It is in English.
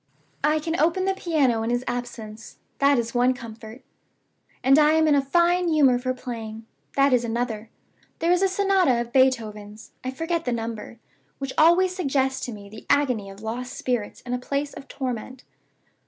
"I can open the piano in his absence that is one comfort. And I am in a fine humor for playing that is another. There is a sonata of Beethoven's (I forget the number), which always suggests to me the agony of lost spirits in a place of torment.